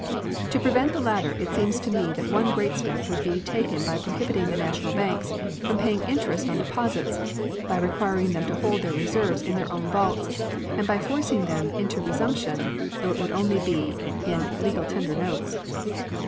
To prevent the latter it seems to me that one great step would be taken by prohibiting the national banks from paying interest on deposits, by requiring them to hold their reserves in their own vaults, and by forcing them into resumption, though it would only be in legal tender notes.